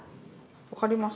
分かります？